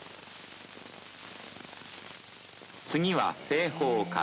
次は西方から。